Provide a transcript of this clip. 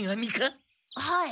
はい。